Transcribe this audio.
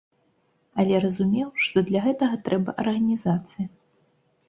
Але разумеў, што для гэтага трэба арганізацыя.